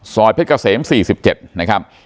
ซอยเผ็ดเกาเซม๔๗นะครับ